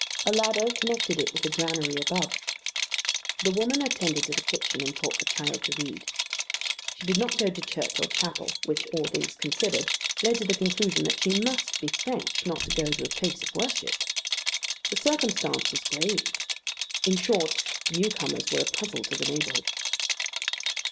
A ladder connected it with the granary above. The woman attended to the kitchen and taught the child to read. She did not go to church or chapel, which, all things considered, led to the conclusion that she must be French not to go to a place of worship. The circumstance was grave. In short, the new comers were a puzzle to the neighbourhood.